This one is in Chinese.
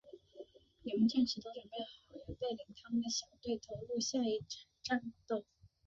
两名战士都准备好要带领他们的小队投入下一场战斗。